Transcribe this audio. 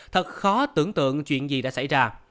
thật khó tưởng tượng chuyện gì đã xảy ra